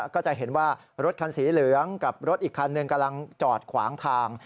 ก็จะเห็นว่ารถคันสีเหลืองกับรถอีกคันหนึ่งกำลังจอดขวางทาง